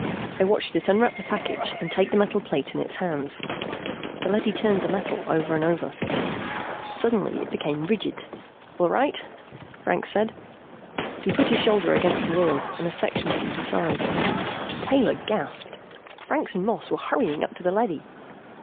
They watched it unwrap the package and take the metal plate in its hands. The leady turned the metal over and over. Suddenly it became rigid. "All right," Franks said. He put his shoulder against the wall and a section slid aside. Taylor gasped Franks and Moss were hurrying up to the leady!